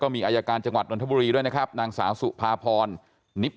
มีอายการจังหวัดนทบุรีด้วยนะครับนางสาวสุภาพรนิบ